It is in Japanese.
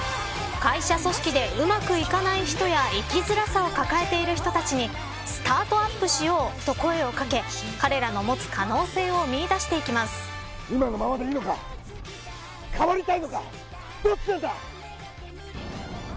会社組織でうまくいかない人や生きづらさを抱えている人たちにスタートアップしようと声を掛け彼らの持つ可能性を今のままでいいのか変わりたい。